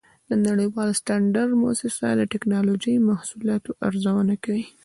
د نړیوال سټنډرډ مؤسسه د ټېکنالوجۍ محصولاتو ارزونه کوي.